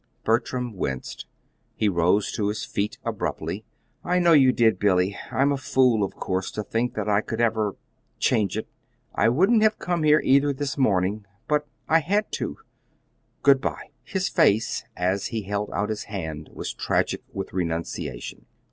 Bertram winced. He rose to his feet abruptly. "I know you did, Billy. I'm a fool, of course, to think that I could ever change it. I shouldn't have come here, either, this morning. But I had to. Good by!" His face, as he held out his hand, was tragic with renunciation.